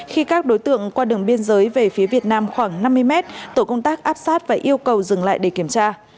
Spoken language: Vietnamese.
khi các đối tượng qua đường biên giới về phía việt nam khoảng năm mươi mét tổ công tác áp sát và yêu cầu dừng lại để kiểm tra